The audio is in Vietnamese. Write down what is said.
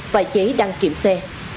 và chế đăng kiểm xe